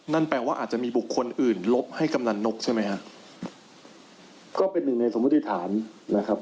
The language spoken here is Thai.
นั่นแปลว่าอาจจะมีบุคคลอื่นลบให้กำนันนกใช่ไหมฮะก็เป็นหนึ่งในสมมุติฐานนะครับ